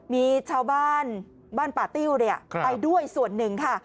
มีชาวบ้านบ้านป่าติ้วไปด้วยส่วนหนึ่งค่ะ